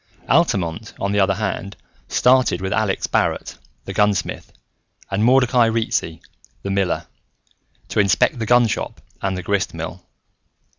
Altamont, on the other hand, started with Alex Barrett, the gunsmith, and Mordecai Ricci, the miller, to inspect the gunshop and the grist mill.